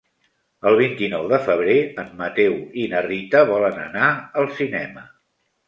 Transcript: El vint-i-nou de febrer en Mateu i na Rita volen anar al cinema.